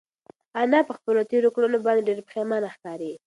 انا په خپلو تېرو کړنو باندې ډېره پښېمانه ښکاري.